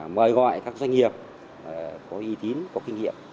mời gọi các doanh nghiệp có uy tín có kinh nghiệm